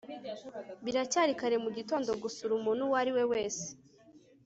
biracyari kare mugitondo gusura umuntu uwo ari we wese